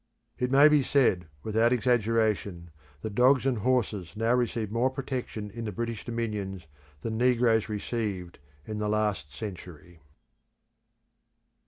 It may be said, without exaggeration, that dogs and horses now receive more protection in the British dominions than negroes received in the last century.